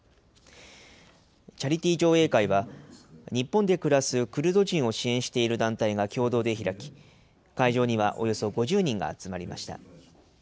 チャリティー上映会は、日本で暮らすクルド人を支援している団体が共同で開き、会場にはおよそ５０人が集まりました。